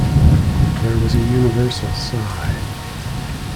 There was a universal sigh.